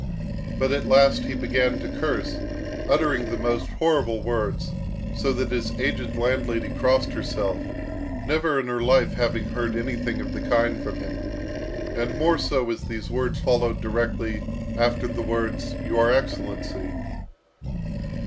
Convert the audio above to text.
but at last he began to curse, uttering the most horrible words, so that his aged landlady crossed herself, never in her life having heard anything of the kind from him, and more so as these words followed directly after the words "your excellency."